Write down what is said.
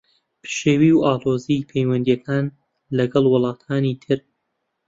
پشێوی و ئاڵۆزیی پەیوەندییەکان لەگەڵ وڵاتانی تر